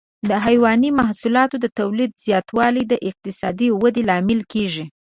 د حيواني محصولاتو د تولید زیاتوالی د اقتصادي ودې لامل کېږي.